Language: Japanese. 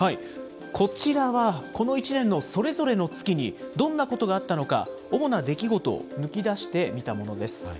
こちらは、この１年のそれぞれの月にどんなことがあったのか、主な出来事を抜き出してみたものです。